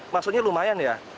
maksudnya lumayan ya